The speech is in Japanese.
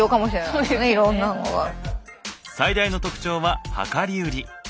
最大の特徴は量り売り。